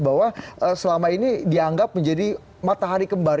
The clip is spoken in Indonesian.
bahwa selama ini dianggap menjadi matahari kembar